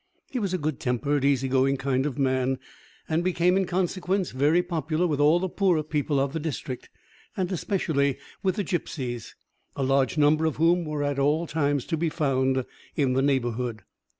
He was a good tempered, easy going kind of man, and became, in consequence, very popular with all the poorer people of the district, and especially with the gipsies, a large number of whom were at all times to be found in the neighbourhood.